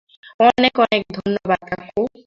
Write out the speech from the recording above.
অনেক-অনেক ধন্যবাদ, কাকু।